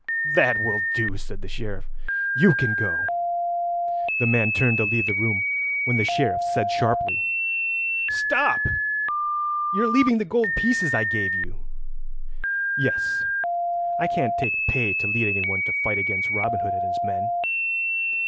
"That will do," said the Sheriff. "You can go." The man turned to leave the room, when the Sheriff said sharply: "Stop! You are leaving the gold pieces I gave you." "Yes, I can't take pay to lead anyone to fight against Robin Hood and his men."